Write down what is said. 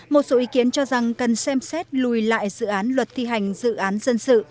một số ý kiến cho rằng cần xem xét lùi lại dự án luật thi hành dự án dân sự